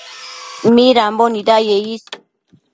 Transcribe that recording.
midambo nidaye is